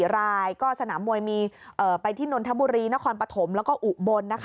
๔รายก็สนามมวยมีไปที่นนทบุรีนครปฐมแล้วก็อุบล